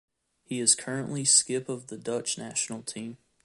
He is currently skip of the Dutch national team.